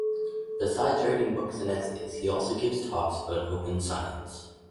Besides writing books and essays, he also gives talks about Open Science.